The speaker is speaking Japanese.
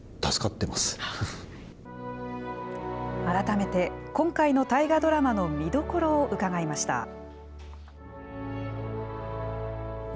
改めて今回の大河ドラマの見どころを伺いました。